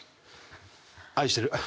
愛してる。